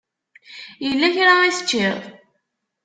Yella kra i teččiḍ?